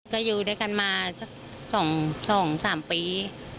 ก็อยู่ด้วยกันมาสัก๒๓ปี